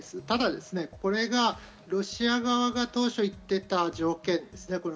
ただこれがロシア側が当初、言っていた条件ですね。